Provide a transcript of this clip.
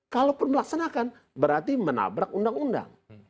kalau pun melaksanakan berarti menabrak undang undang